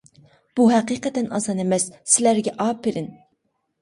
بۇ ھەقىقەتەن ئاسان ئەمەس، سىلەرگە ئاپىرىن!